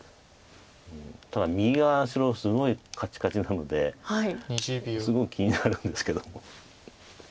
ただ右側白すごいカチカチなのですごい気になるんですけど。